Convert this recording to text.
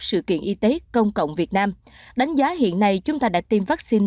sự kiện y tế công cộng việt nam đánh giá hiện nay chúng ta đã tiêm vaccine